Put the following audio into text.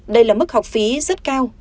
đây là mức học phí rất cao